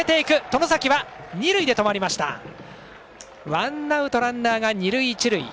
ワンアウト、ランナーが二塁一塁。